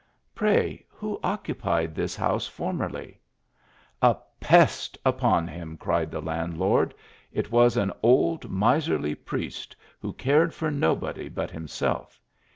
Pray who occupied this house formerly ?"" A pest upon him !" cried the landlord. " It was an old miserly priest, who cared for nobody but him 82 THE ALHAMBRA. self.